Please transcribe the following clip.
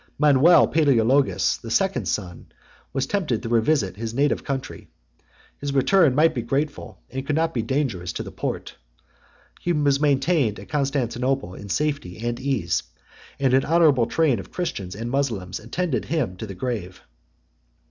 92 Manuel Palæologus, the second son, was tempted to revisit his native country: his return might be grateful, and could not be dangerous, to the Porte: he was maintained at Constantinople in safety and ease; and an honorable train of Christians and Moslems attended him to the grave.